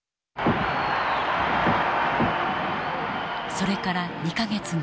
それから２か月後。